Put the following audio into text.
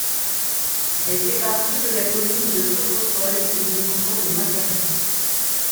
Elle fait partie de la commune de Fotokol et du canton de Makari.